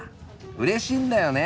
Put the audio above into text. うれしいんだよね